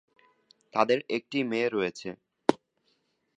তাদের একটি মেয়ে রয়েছে।